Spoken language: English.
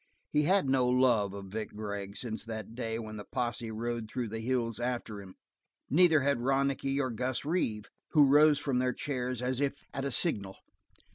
He had no love for Vic Gregg since that day when the posse rode through the hills after him; neither had Ronicky or Gus Reeve, who rose from their chairs as if at a signal.